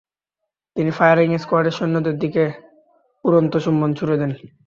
তিনি ফায়ারিং স্কোয়াডের সৈন্যদের দিকে উড়ন্ত চুম্বন ছুঁড়ে দেন।